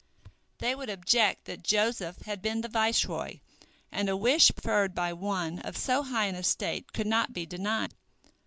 They would object that Joseph had been the viceroy, and a wish preferred by one of so high an estate could not be denied.